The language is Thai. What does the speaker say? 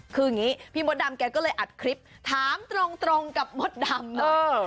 คืออย่างนี้พี่มดดำแกก็เลยอัดคลิปถามตรงกับมดดำเลย